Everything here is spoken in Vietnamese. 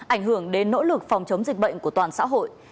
ảnh hưởng đến nỗ lực phòng chống dịch bệnh của toàn xã hội